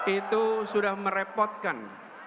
itu sudah merepotkan